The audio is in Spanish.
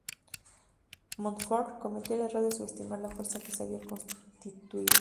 Montfort cometió el error de subestimar la fuerza que se había constituido.